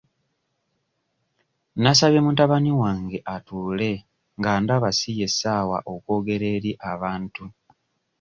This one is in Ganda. Nasabye mutabani wange atuule nga ndaba si ye ssaawa okwogera eri abantu.